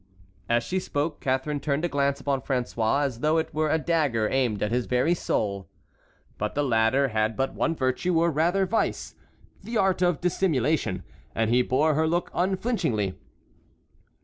As she spoke, Catharine turned a glance upon François as though it were a dagger aimed at his very soul. But the latter had but one virtue, or rather vice,—the art of dissimulation; and he bore her look unflinchingly.